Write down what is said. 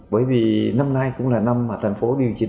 bởi vì năm nay cũng là năm mà thành phố điều chỉnh